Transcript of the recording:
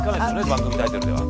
番組タイトルでは。